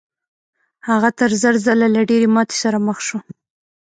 هغه تر زر ځله له ډېرې ماتې سره مخ شو.